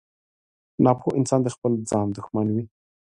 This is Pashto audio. • ناپوه انسان د خپل ځان دښمن وي.